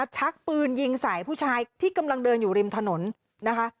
ชักปืนยิงใส่ผู้ชายที่กำลังเดินอยู่ริมถนนนะคะ